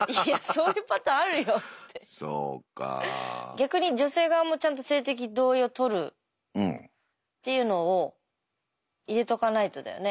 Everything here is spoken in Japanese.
逆に女性側もちゃんと性的同意を取るっていうのを入れとかないとだよね。